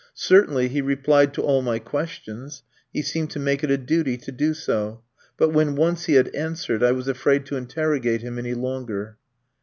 Certainly he replied to all my questions; he seemed to make it a duty to do so; but when once he had answered, I was afraid to interrogate him any longer.